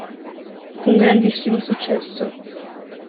Fu un grandissimo successo.